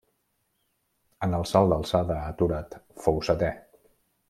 En el salt d'alçada aturat fou setè.